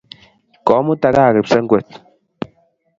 Komuta ga kipsengwet